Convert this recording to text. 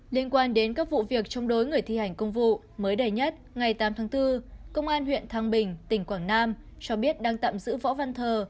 liên quan đến các vụ việc chống đối người thi hành công vụ mới đầy nhất ngày tám tháng bốn công an huyện thăng bình tỉnh quảng nam cho biết đang tạm giữ võ văn thờ